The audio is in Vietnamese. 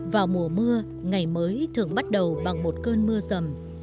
vào mùa mưa ngày mới thường bắt đầu bằng một cơn mưa rầm